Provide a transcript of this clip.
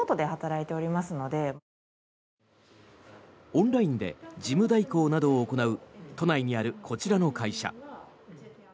オンラインで事務代行などを行う都内にあるこちらの会社。